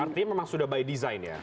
artinya memang sudah by design ya